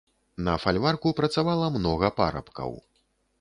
На фальварку працавала многа парабкаў.